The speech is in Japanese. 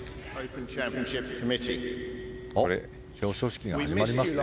表彰式が始まりますね。